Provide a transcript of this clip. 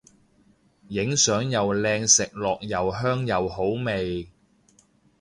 影相又靚食落又香又好味